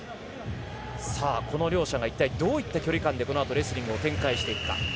この両者が一体どのような距離感でこのあとレスリングを展開していくか。